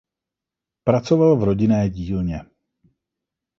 Pracoval v rodinné dílně.